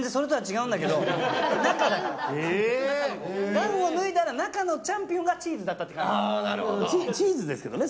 ガウンを脱いだら中のチャンピオンがチーズだったって感じ。